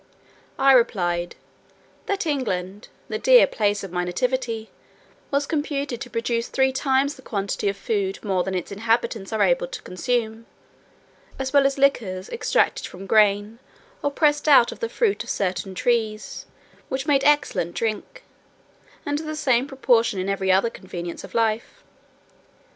I replied "that England (the dear place of my nativity) was computed to produce three times the quantity of food more than its inhabitants are able to consume, as well as liquors extracted from grain, or pressed out of the fruit of certain trees, which made excellent drink, and the same proportion in every other convenience of life.